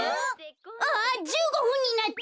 あ１５ふんになった！